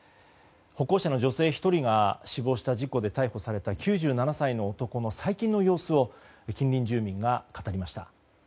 歩行者の女性１人が死亡した事故で逮捕された９７歳の男の最近の様子を近隣住民が語りました。